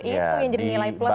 itu yang jadi nilai plus